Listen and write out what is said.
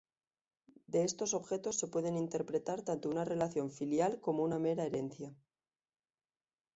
De estos objetos se pueden interpretar tanto una relación filial como una mera herencia.